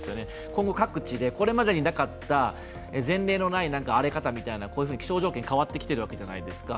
今後各地で、これまでになかった前例のない荒れ方みたいなこういうふうに気象状況が変わってきているわけじゃないですか。